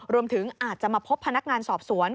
รวมถึงอาจจะมาพบพนักงานสอบสวน